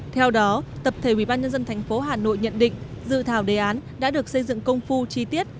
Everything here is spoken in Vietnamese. theo đó tập thể ubnd tp hà nội nhận định dự thảo đề án đã được xây dựng công phu chi tiết